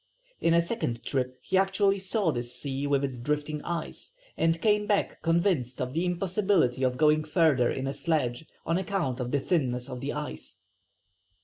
In a second trip he actually saw this sea with its drifting ice, and came back convinced of the impossibility of going further in a sledge on account of the thinness of the ice.